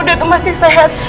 dan itu masih sehat